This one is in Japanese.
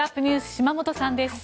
島本さんです。